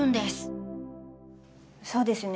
そうですよね